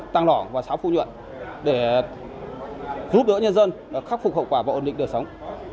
tăng đỏ và sáu phu nhuận để giúp đỡ nhân dân khắc phục hậu quả và ổn định đời sống